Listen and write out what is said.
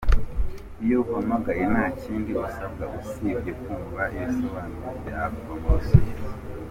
Iyo uhamagaye nta kindi usabwa usibye kumva ibisobanuro bya poromosiyo .